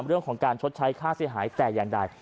เรื่องของการชดใช้ค่าเสียหายแต่อย่างใด